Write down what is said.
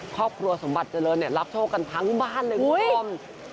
ครอบครัวสมบัติเจริญรับโชคกันทั้งบ้านเลยคุณคุณคุณคุณคุณคุณ